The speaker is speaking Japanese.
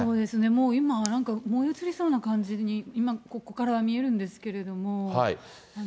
もう今、なんか燃え移りそうな感じに、今ここからは見えるんですけれども。